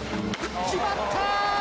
決まった！